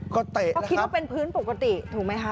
ก็เตะนะครับเขาคิดว่าเป็นพื้นปกติถูกไหมครับ